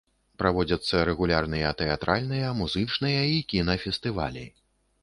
Праводзяцца рэгулярныя тэатральныя, музычныя і кінафестывалі.